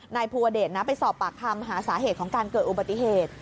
ภูวเดชนะไปสอบปากคำหาสาเหตุของการเกิดอุบัติเหตุ